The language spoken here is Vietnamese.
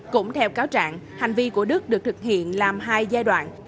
cũng theo cáo trạng hành vi của đức được thực hiện làm hai giai đoạn